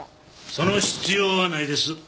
その必要はないです。